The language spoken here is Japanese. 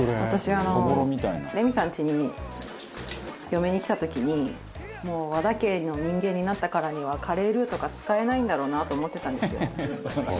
私、レミさんちに嫁に来た時にもう、和田家の人間になったからにはカレールーとか使えないんだろうなと思ってたんですよ。